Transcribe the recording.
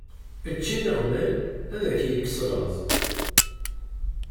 Ečč iniɣman ad k-yekkes laẓ!